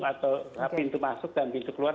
atau pintu masuk dan pintu keluar